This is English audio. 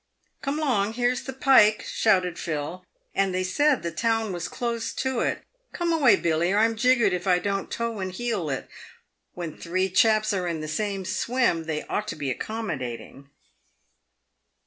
"Come along — here's the 'pike I" shouted Phil, "and they said the town was close to it. Come away, Billy, or I'm jiggered if I don't toe and heel it. "When three chaps are in the same swim, they ought to be accommodating."